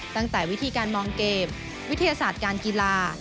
ตั้งแต่วิธีการมองเกมวิทยาศาสตร์การกีฬา